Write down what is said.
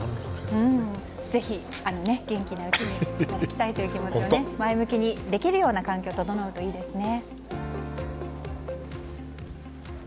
元気なうちに働きたいという思いが前向きにできるような環境が整うといいですね。